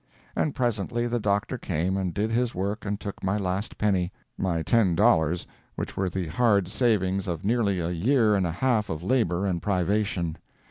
And presently the doctor came and did his work and took my last penny—my ten dollars which were the hard savings of nearly a year and a half of labor and privation.